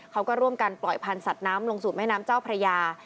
เขาก็ร่วมกันปล่อยพันธุ์สัตว์น้ำลงสู่แม่น้ำเจ้าพระยา